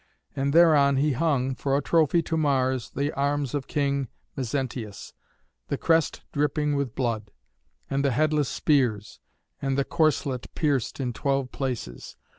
And thereon he hung, for a trophy to Mars, the arms of King Mezentius, the crest dripping with blood, and the headless spears, and the corslet pierced in twelve places.